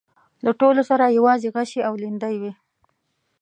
له ټولو سره يواځې غشي او ليندۍ وې.